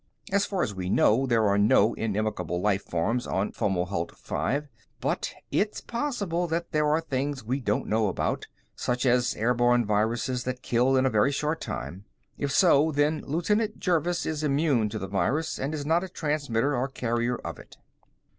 As far as we know, there are no inimical life forms on Fomalhaut V but it's possible that there are things we don't know about, such as airborne viruses that kill in a very short time. If so, then Lieutenant Jervis is immune to the virus and is not a transmitter or carrier of it.